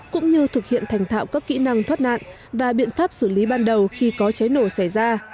cũng như thực hiện thành thạo các kỹ năng thoát nạn và biện pháp xử lý ban đầu khi có cháy nổ xảy ra